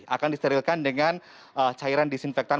akan disterilkan dengan cairan disinfektan